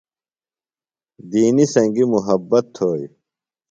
دینیۡ سنگیۡ محبت تھوئی